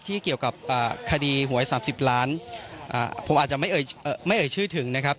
เกี่ยวกับคดีหวย๓๐ล้านผมอาจจะไม่เอ่ยชื่อถึงนะครับ